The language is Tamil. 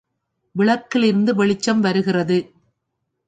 விளக்கிலிருந்து வெளிச்சம் வருகிறது.